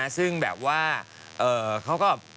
ซึ่งแบบว่าเขาก็